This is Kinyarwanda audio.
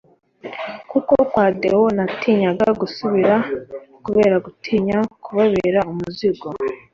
kuko kwa Déo natinyaga gusubirayo kubera gutinya kubabera umuzigo